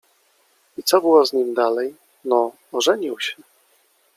”— I co było z nim dalej? — No, ożenił się.